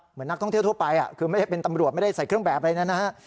เหมือนนักท่องเที่ยวทั่วไปคือไม่ได้เป็นตำรวจไม่ได้ใส่เครื่องแบบอะไรนะฮะ